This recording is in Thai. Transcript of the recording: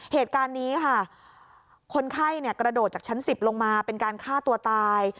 เหตุการณ์นี้ค่ะคนไข้กระโดดจากชั้น๑๐ลงมาเป็นการฆ่าตัวตาย